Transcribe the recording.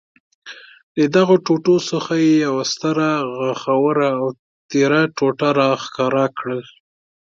له دغو ټوټو څخه یې یوه ستره، غاښوره او تېره ټوټه را ښکاره کړل.